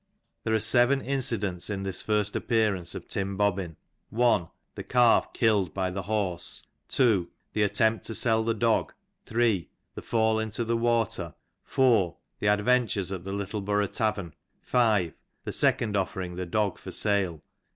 There are seven incidents in this first appearance of Tim Bobbin : 1. The calf killed by the horse. 2. The attempt to sell the dog. 3. The fall into the water. 4. The adventures at the Littleborough tavern. 5. The second offer ing the dog for sale.